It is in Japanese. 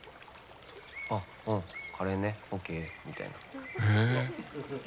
うん、カレーねＯＫみたいな。